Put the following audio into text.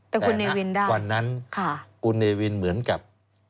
แต่งั้นวันนั้นคุณนายวินเหมือนกับ